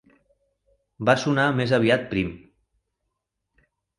Va sonar més aviat prim.